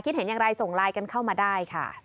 คิดเห็นอย่างไรส่งไลน์กันเข้ามาได้ค่ะ